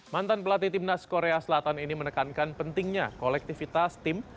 mantan pelatih timnas korea selatan ini menekankan pentingnya kolektivitas tim